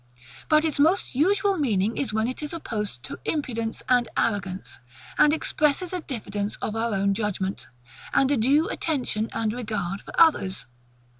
But its most usual meaning is when it is opposed to IMPUDENCE and ARROGANCE, and expresses a diffidence of our own judgement, and a due attention and regard for others.